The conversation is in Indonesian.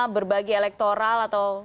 berbagi elektoral atau